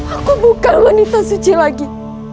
aku buka wanita suci lagi